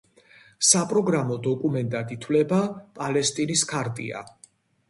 საპროგრამო დოკუმენტად ითვლება პალესტინის ქარტია.